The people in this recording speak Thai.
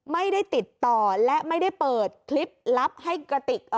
ไม่ได้ติดต่อและไม่ได้เปิดคลิปลับให้กระติก